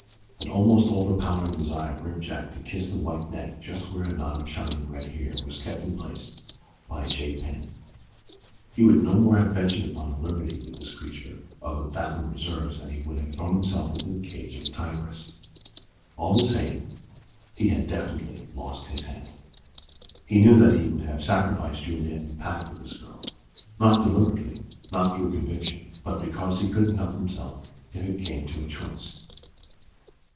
An almost overpowering desire gripped Jack to kiss the white neck just where a knot of shining red hair was kept in place by a jade pin. He would no more have ventured upon a liberty with this creature of unfathomed reserves than he would have thrown himself into the cage of a tigress. All the same, he had definitely "lost his head." He knew that he would have sacrificed Juliet and Pat for this girl, not deliberately, not through conviction, but because he couldn't help himself if it came to a choice!